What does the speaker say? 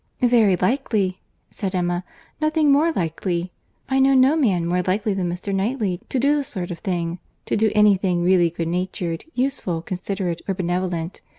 "Very likely," said Emma—"nothing more likely. I know no man more likely than Mr. Knightley to do the sort of thing—to do any thing really good natured, useful, considerate, or benevolent.